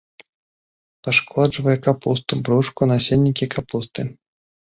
Пашкоджвае капусту, бручку, насеннікі капусты.